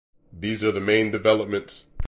These are the main developments.